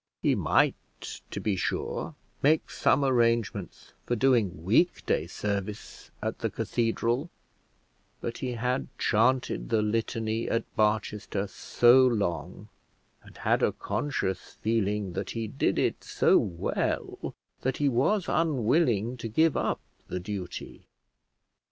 He might, to be sure, make some arrangements for doing week day service at the cathedral; but he had chanted the litany at Barchester so long, and had a conscious feeling that he did it so well, that he was unwilling to give up the duty.